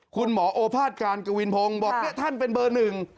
คุณหมอโอภาษการกวินพงศ์บอกเนี่ยท่านเป็นเบอร์หนึ่ง